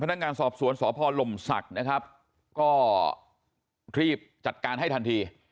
พนักงานสอบสวนสพลมศักดิ์นะครับก็รีบจัดการให้ทันที